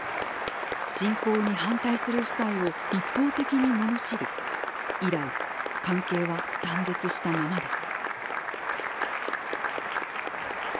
侵攻に反対する夫妻を一方的にののしり以来、関係は断絶したままです。